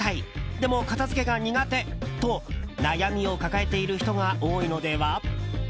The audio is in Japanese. でも、片付けが苦手と悩みを抱えている人が多いのでは？